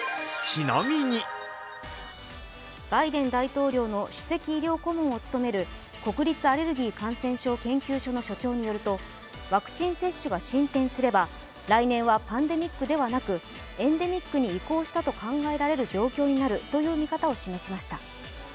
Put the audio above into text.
バイデン大統領の首席医療顧問を務める国立アレルギー感染症研究所の所長によるとワクチン接種が進展すれば、来年はパンデミックではなくエンデミックに移行したと考えられる状況になるとの見方を示しました。